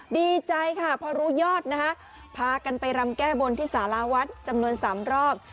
ดีใจค่ะพอรู้ยอดนะคะพากันไปรำแก้บนที่สาราวัดจำนวน๓รอบ